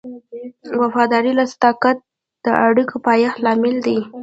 وفاداري او صداقت د اړیکو د پایښت لامل دی.